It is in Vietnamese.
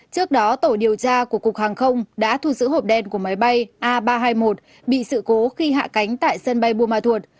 trước đó tổ điều tra của cục hàng không đã thu giữ hộp đen của máy bay a ba trăm hai mươi một bị sự cố khi hạ cánh tại sân bay buôn ma thuột